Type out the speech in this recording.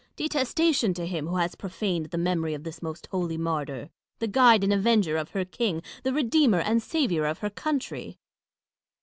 Detestation to him who has profaned the memory of this most holy martyr — the guide and avenger of her king, the redeemer and saviour of her country.